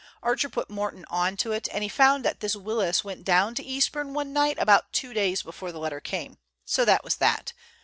Archer put Morton on to it, and he found that this Willis went down to Eastbourne one night about two days before the letter came. So that was that.